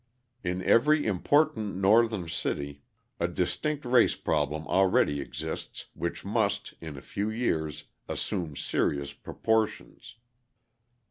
In every important Northern city, a distinct race problem already exists, which must, in a few years, assume serious proportions.